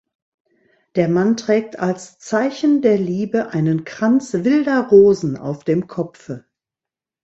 Der Mann trägt als Zeichen der Liebe einen Kranz wilder Rosen auf dem Kopfe.